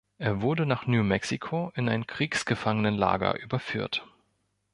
Er wurde nach New Mexico in ein Kriegsgefangenenlager überführt.